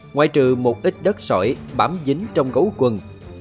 ngoại trừ một ít đất sỏi bám dính trong gấu quần